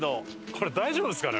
これ大丈夫ですかね？